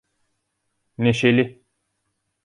Neşeli